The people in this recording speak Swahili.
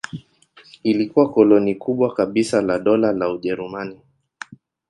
Ilikuwa koloni kubwa kabisa la Dola la Ujerumani.